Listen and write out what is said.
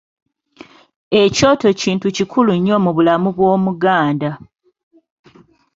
Ekyoto kintu kikulu nnyo mu bulamu bw’Omuganda.